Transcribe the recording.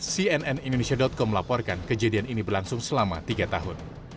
cnn indonesia com melaporkan kejadian ini berlangsung selama tiga tahun